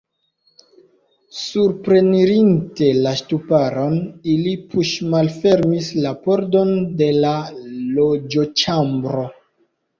Suprenirinte la ŝtuparon, ili puŝmalfermis la pordon de la loĝoĉambro.